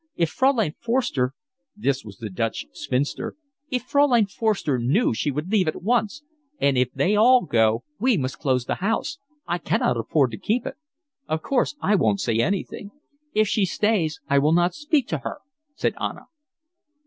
If Fraulein Forster—" this was the Dutch spinster—"if Fraulein Forster knew she would leave at once. And if they all go we must close the house. I cannot afford to keep it." "Of course I won't say anything." "If she stays, I will not speak to her," said Anna.